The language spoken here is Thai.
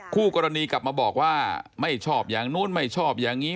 คู่กรณีกลับมาบอกว่าไม่ชอบอย่างนู้นไม่ชอบอย่างนี้